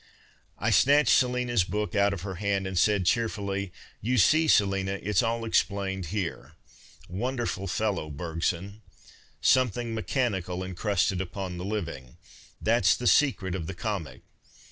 I snatched Selina's book out of her hand, and said, cheerfully, " You see, Selina, it's all explained here. \V'onderful fellow, Bergson. ' Something mechanical encrusted upon the living,' that s the secret of the comic.